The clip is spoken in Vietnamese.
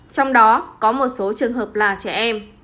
trong đó có một số trường hợp là trẻ em